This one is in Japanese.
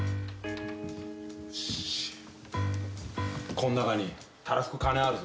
この中にたらふく金あるぞ。